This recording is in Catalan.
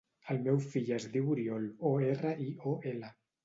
El meu fill es diu Oriol: o, erra, i, o, ela.